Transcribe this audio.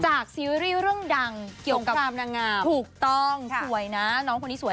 จากซีรีส์เรื่องดังเกี่ยวกับทุกต้องสวยน่ะน้องคนนี้สวย